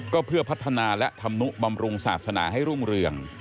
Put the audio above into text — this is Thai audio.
ก็เพื่อพัฒนาและธรรมนุบำรุงศาสนาให้รุ่งเรือง